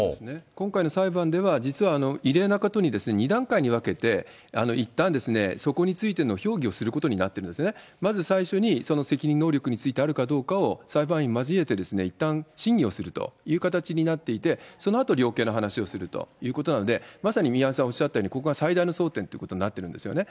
今回の裁判では、実は異例なことに、２段階に分けて、いったん、そこについての評議をすることになってるんですよね。まず最初に責任能力についてあるかどうかを、裁判員交えていったん審議をするという形になっていて、そのあと、量刑の話をするということなので、まさに宮根さんおっしゃったように、ここが最大の争点ということになってるんですよね。